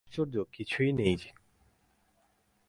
আশ্চর্য কিছুই নেই।